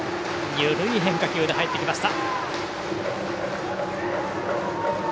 緩い変化球で入っていきました。